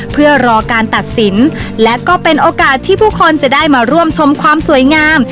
เพื่อรอการตัดสินและก็เป็นโอกาสที่ผู้คนจะได้มาร่วมชมความสวยงาม